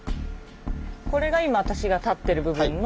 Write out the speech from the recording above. これが今私が立ってる部分の。